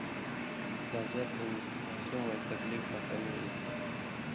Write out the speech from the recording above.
گازریۡ ہِن ماسوم ہویں تکلیف مہ کمی ای تھی ۔